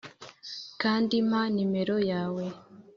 kandi mpa nimero yawe